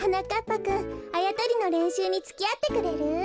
ぱくんあやとりのれんしゅうにつきあってくれる？